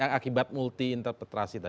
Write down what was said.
yang akibat multi interpretasi tadi